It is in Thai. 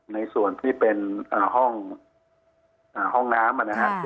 ในส่วนที่เป็นห้องน้ำนะครับ